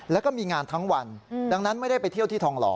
แล้วก็มีงานทั้งวันดังนั้นไม่ได้ไปเที่ยวที่ทองหล